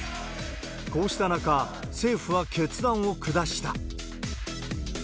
こうした中、政府は決断を下した。